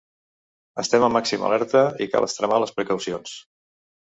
Estem en màxima alerta i cal extremar les precaucions.